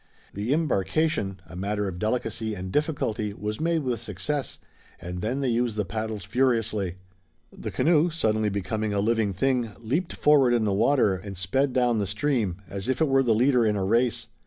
The embarkation, a matter of delicacy and difficulty, was made with success, and then they used the paddles furiously. The canoe, suddenly becoming a live thing, leaped forward in the water, and sped down the stream, as if it were the leader in a race.